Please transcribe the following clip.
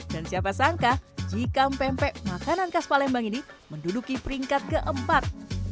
dan siapa sangka jika pempek makanan khas palembang ini menduduki peringkat keempat